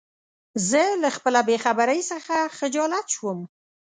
زه له خپله بېخبری څخه خجالت شوم.